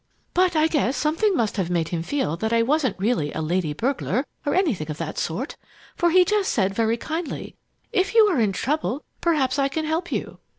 But I guess something must have made him feel that I wasn't really a 'lady burglar' or anything of that sort, for he just said, very kindly, 'If you are in trouble, perhaps I can help you!'